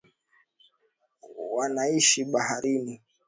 Wanaishi baharini